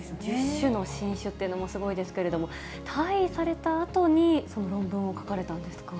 １０種の新種っていうのもすごいですけれども、退位されたあとに論文を書かれたんですか？